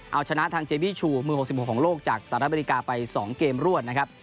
เอาชนะทางเจบี้ชูมือ๖๖ของโลกจากสหรัฐอเมริกาไป๒เกมรวดนะครับ